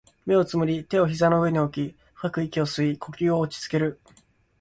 目を瞑り、手を膝の上に置き、深く息を吸い、呼吸を落ち着ける